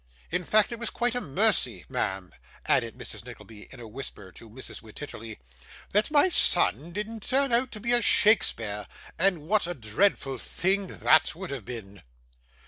In fact, it was quite a mercy, ma'am,' added Mrs. Nickleby, in a whisper to Mrs. Wititterly, 'that my son didn't turn out to be a Shakespeare, and what a dreadful thing that would have been!